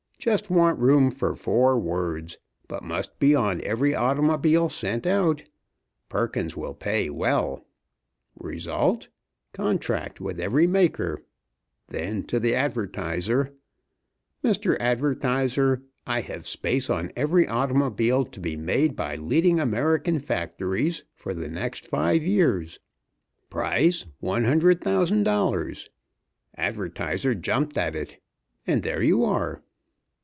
Just want room for four words, but must be on every automobile sent out. Perkins will pay well.' Result contract with every maker. Then to the advertiser: 'Mr. Advertiser, I have space on every automobile to be made by leading American factories for next five years. Price, $100,000!' Advertiser jumped at it! And there you are!"